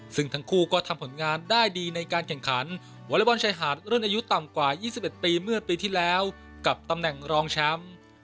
ซึ่งทั้งคู่ก็ทำผลงานได้ดีในการแข่งขันวอเล็กบอลชายหาดรุ่นอายุต่ำกว่า๒๑ปีเมื่อปีที่แล้วกับตำแหน่งรองแชมป์